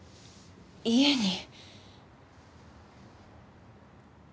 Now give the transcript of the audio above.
家に。